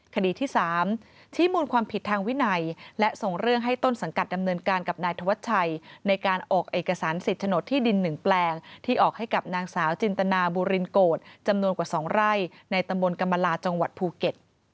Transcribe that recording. คดีที่๓ชี้มูลความผิดทางวินัยและส่งเรื่องให้ต้นสังกัดดำเนินการกับนายธวัชชัยในการออกเอกสารสิทธิ์โฉนดที่ดิน๑แปลงที่ออกให้กับนางสาวจินตนาบูรินโกรธจำนวนกว่า๒ไร่ในตำบลกรรมลาจังหวัดภูเก็ต